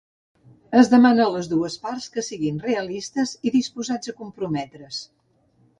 Es demana a les dues parts que siguin realistes i disposats a comprometre's.